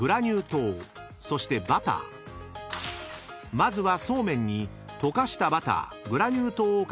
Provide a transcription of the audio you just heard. ［まずは］